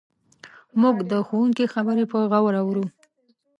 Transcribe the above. موږ د ښوونکي خبرې په غور اورو.